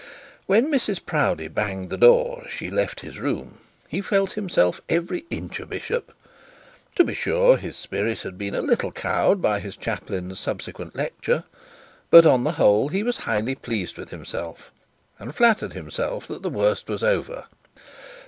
When Mrs Proudie banged the door, as she left his room, he felt himself every inch a bishop. To be sure his spirit had been a little cowed by his chaplain's subsequent lecture; but on the whole he was highly pleased with himself, and flattered himself that the worst was over.